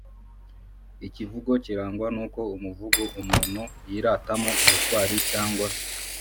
ikivugo kirangwa nuko umuvugo umuntu yiratamo ubutwari cyangwa